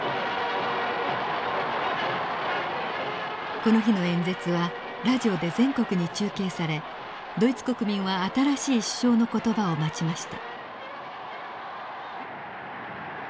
この日の演説はラジオで全国に中継されドイツ国民は新しい首相の言葉を待ちました。